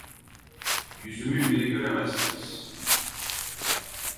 Yüzümü bile göremezsiniz.